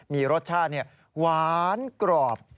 มีรสชาติหวานกรอบ